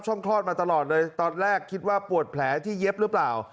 คลอดมาตลอดเลยตอนแรกคิดว่าปวดแผลที่เย็บหรือเปล่า